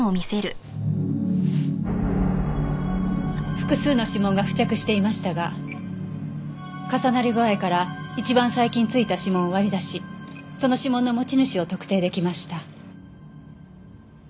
複数の指紋が付着していましたが重なり具合から一番最近付いた指紋を割り出しその指紋の持ち主を特定出来ました。